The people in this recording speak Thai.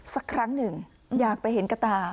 สักครั้งหนึ่งอยากไปเห็นกระตา